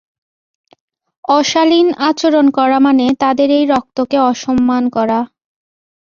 অশালীন আচরণ করা মানে তাদের এই রক্তকে অসম্মান করা।